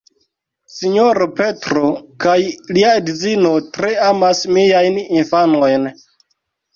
Sinjoro Petro kaj lia edzino tre amas miajn infanojn.